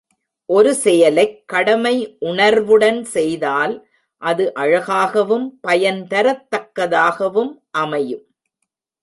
ஒரு செயலைக் கடமை உணர்வுடன் செய்தால் அது அழகாகவும் பயன்தரத் தக்கதாகவும் அமையும்.